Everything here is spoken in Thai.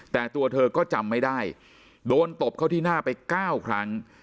แต่ตัวเธอก็จำไม่ได้โดนตบเข้าที่หน้าไป๙ครั้ง